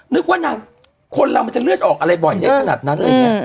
นึกว่านางคนเราจะเลือดออกอะไรบ่อยเยอะขนาดนั้น